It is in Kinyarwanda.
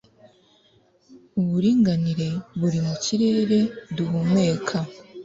uburinganire buri mu kirere duhumeka